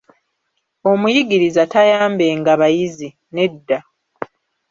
Omuyigiriza tayambenga bayizi, nedda.